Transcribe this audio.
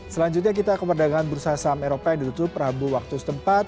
selanjutnya kita ke perdagangan bursa saham eropa yang ditutup rabu waktu setempat